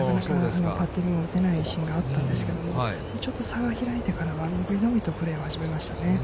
パッティングも打てないシーンがあったんですけれども、ちょっと差が開いてからは、伸び伸びとプレーを始めましたね。